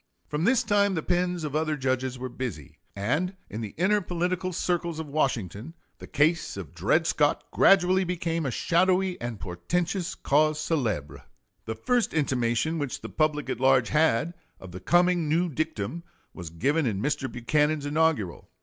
From this time the pens of other judges were busy, and in the inner political circles of Washington the case of Dred Scott gradually became a shadowy and portentous cause célèbre. The first intimation which the public at large had of the coming new dictum was given in Mr. Buchanan's inaugural.